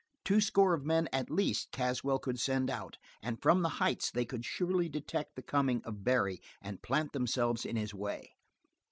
Two score of men, at least, Caswell could send out, and from the heights they could surely detect the coming of Barry and plant themselves in his way.